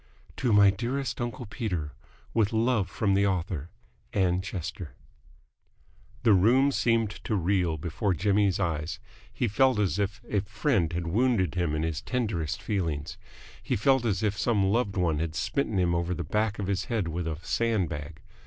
"To my dearest uncle Peter, with love from the author, Ann Chester." The room seemed to reel before Jimmy's eyes. He felt as if a friend had wounded him in his tenderest feelings. He felt as if some loved one had smitten him over the back of the head with a sandbag.